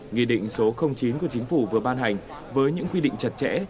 nghị định số chín của chính phủ vừa ban hành với những quy định chặt chẽ